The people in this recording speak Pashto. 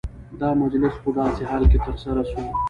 دا مجلس په داسي حال کي ترسره سو،